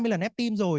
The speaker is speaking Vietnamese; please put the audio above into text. ba mươi lần ép tim rồi